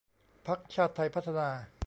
พรรคชาติไทยพัฒนา